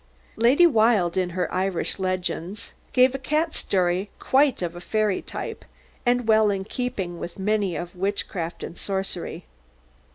Lady Wilde, in her "Irish Legends," gives a cat story quite of the fairy type, and well in keeping with many of witchcraft and sorcery.